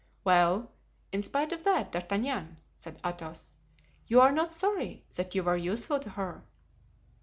"Well, in spite of that, D'Artagnan," said Athos, "you are not sorry that you were useful to her?"